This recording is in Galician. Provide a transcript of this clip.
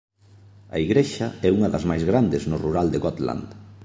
A igrexa é unha das máis grandes no rural de Gotland.